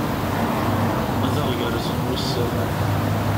Ad aɣ-gerrzen wussan!